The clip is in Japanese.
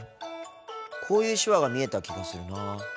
こういう手話が見えた気がするなぁ。